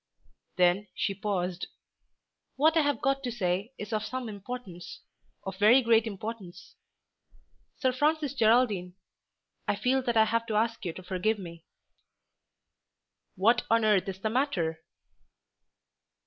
Then she paused. "What I have got to say is of some importance; of very great importance. Sir Francis Geraldine, I feel that I have to ask you to forgive me." "What on earth is the matter?"